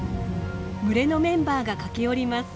群れのメンバーが駆け寄ります。